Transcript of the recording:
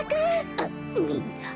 あっみんな。